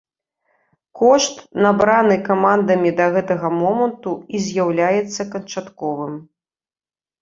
Кошт, набраны камандамі да гэтага моманту, і з'яўляецца канчатковым.